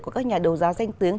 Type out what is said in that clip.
của các nhà đầu giáo danh tiếng